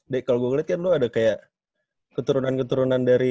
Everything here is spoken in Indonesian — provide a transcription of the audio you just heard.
de kalo gue liat kan lo ada kayak keturunan keturunan dari